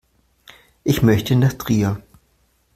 Ich möchte nach Trier